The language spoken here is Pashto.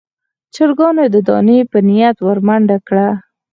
چرګانو د دانې په نيت ور منډه کړه.